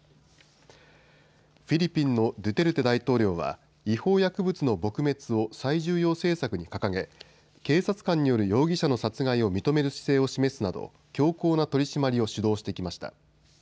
フィリピンのドゥテルテ大統領は違法薬物の撲滅を最重要政策に掲げ警察官による容疑者の殺害を認める姿勢を示すなど強硬な取締りを主導してきました。